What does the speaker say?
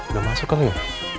gak masuk kan lo ya